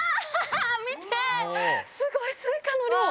見て、すごいすいかの量！